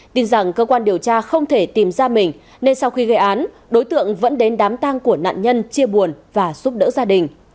tin rằng cơ quan điều tra không thể tìm ra mình nên sau khi gây án đối tượng vẫn đến đám tang của nạn nhân chia buồn và giúp đỡ gia đình